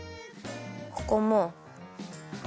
ここも。